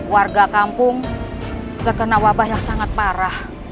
warga kampung terkena wabah yang sangat parah